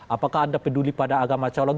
apakah anda peduli pada agama calon